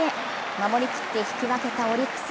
守りきって引き分けたオリックス。